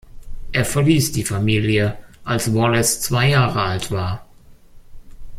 Er verließ die Familie, als Wallace zwei Jahre alt war.